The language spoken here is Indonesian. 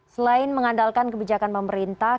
selain mengandalkan kebijakan pemerintah